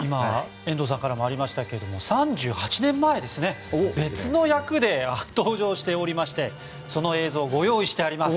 遠藤さんからもありましたが３８年前に別の役で初登場しておりましてその映像をご用意してあります。